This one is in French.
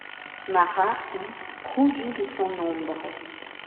Marat eût rougi de son ombre.